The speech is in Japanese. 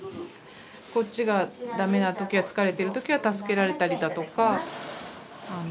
こっちがダメな時は疲れてる時は助けられたりだとか。